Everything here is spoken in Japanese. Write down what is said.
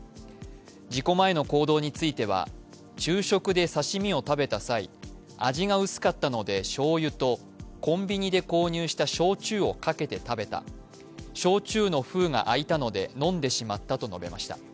事故前の行動については、昼食で刺身を食べた際、味が薄かったのでしょうゆとコンビニで購入した焼酎をかけて食べた焼酎の封が開いたので、飲んでしまったと話しました。